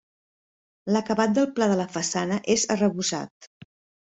L'acabat del pla de la façana és arrebossat.